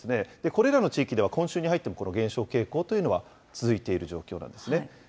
これらの地域では、今週に入ってもこの減少傾向というのは、続いている状況なんですね。